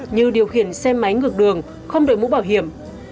như điều khiển xe máy ngược đường không đổi mũ bảo hiểm